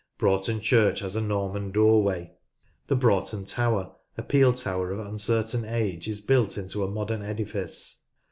Broughton Church has a Norman doorway. The Broughton Tower, a peel tower of uncertain age, is built into a Coniston : Brantwood modern edifice.